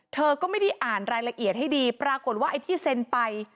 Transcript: เธอก็ไม่ได้อ่านรายละเอียดให้ดีปรากฏว่าไอ้ที่เซ็นไป